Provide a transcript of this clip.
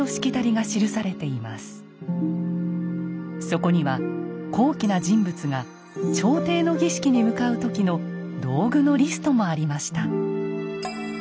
そこには高貴な人物が朝廷の儀式に向かう時の道具のリストもありました。